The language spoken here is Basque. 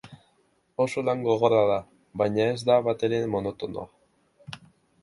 Oso lan gogorra da, baina ez da batere monotonoa.